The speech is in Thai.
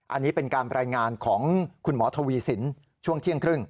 อันนี้เป็นการรายงานของคุณหมอทวีสินช่วงเที่ยงครึ่ง